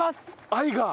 愛が。